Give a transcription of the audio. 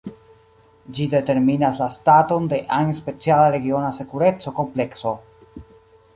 Ĝi determinas la staton de ajn speciala regiona sekureco-komplekso.